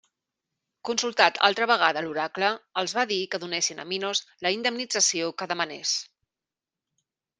Consultat altra vegada l'oracle, els va dir que donessin a Minos la indemnització que demanés.